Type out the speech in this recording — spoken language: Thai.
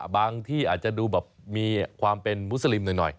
ที่อาจจะดูแบบมีความเป็นมุสลิมหน่อย